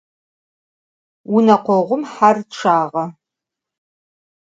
Vune khoğum her ççağe.